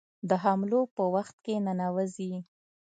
د حملو په وخت کې ننوزي.